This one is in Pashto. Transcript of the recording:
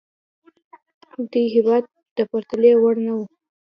دې هېواد د پرتلې وړ نه وه.